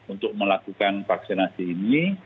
untuk melakukan vaksinasi ini